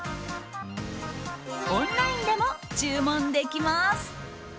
オンラインでも注文できます。